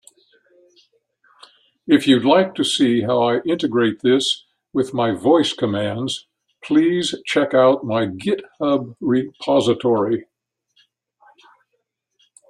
If you'd like to see how I integrate this with my voice commands, please check out my GitHub repository.